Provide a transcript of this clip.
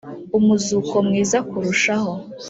umuzuko mwiza kurushaho